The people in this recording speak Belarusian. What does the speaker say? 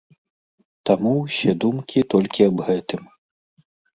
Таму ўсе думкі толькі аб гэтым.